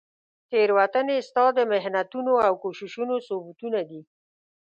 تیروتنې ستا د محنتونو او کوښښونو ثبوتونه دي.